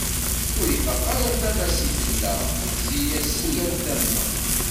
Ur ifaq ara tama-s i tella tezzi-as si yal tama.